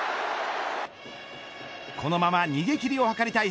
このまま逃げ切りを図りたい